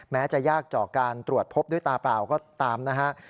แม้จะยากจอการตรวจพบด้วยตาเปล่าก็ตามนะครับ